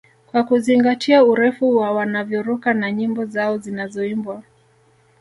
Kwa kuzingatia urefu wa wanavyoruka na nyimbo zao zinazoimbwa